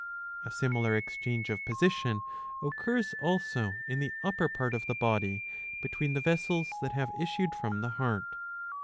A similar exchange of position occurs also in the upper part of the body, between the vessels that have issued from the heart.